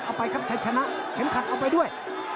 เอาไปครับชัยชนะเข็มขัดเอาไปด้วย